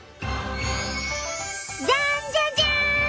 じゃんじゃじゃん！